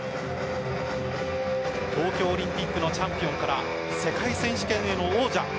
東京オリンピックのチャンピオンから世界選手権への王者。